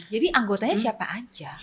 jadi anggotanya siapa aja